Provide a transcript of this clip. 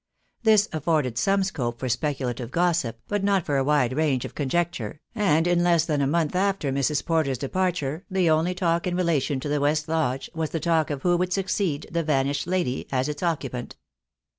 This afforded some scope for speculative gossip, but not for a wide range of con jecture, and in less than a month after Mrs. Porter's de parture the only talk in relation to the West Lodge was the talk of who would succeed the vanished lady as its occupant.